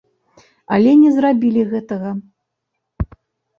Але не зрабілі гэтага.